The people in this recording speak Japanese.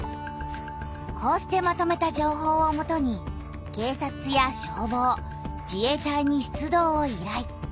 こうしてまとめた情報をもとに警察や消防自衛隊に出動を依頼。